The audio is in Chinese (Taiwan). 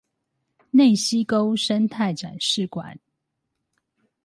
內溝溪生態展示館